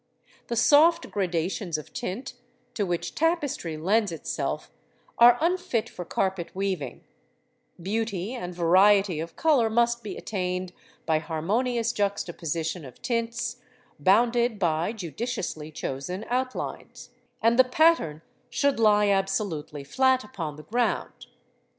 The soft gradations of tint to which Tapestry lends itself are unfit for Carpet weaving; beauty and variety of colour must be attained by harmonious juxtaposition of tints, bounded by judiciously chosen outlines; and the pattern should lie absolutely flat upon the ground.